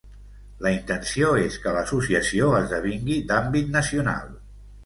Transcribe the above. La intenció és que l’associació esdevingui d’àmbit nacional.